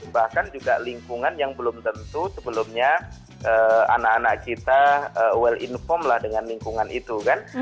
bahkan juga lingkungan yang belum tentu sebelumnya anak anak kita well inform lah dengan lingkungan itu kan